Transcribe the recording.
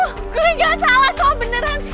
gue gak salah kok beneran